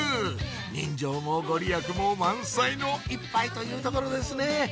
人情もご利益も満載の一杯というところですね！